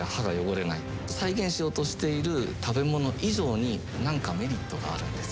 再現しようとしている食べ物以上に何かメリットがあるんです。